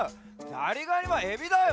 ザリガニはエビだよ！